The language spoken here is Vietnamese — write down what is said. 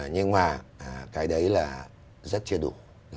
nhưng mà cái đấy là rất chưa đủ